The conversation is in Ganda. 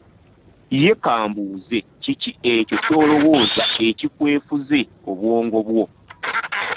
Ye kambuuze , kiki ekyo ky’olowoozaako ekikwefuze obwongo bwo?